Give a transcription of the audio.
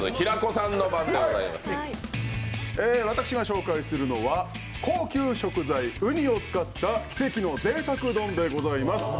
私が紹介するのは高級食材うにを使った奇跡のぜいたく丼でございます。